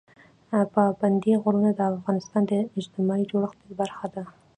پابندی غرونه د افغانستان د اجتماعي جوړښت برخه ده.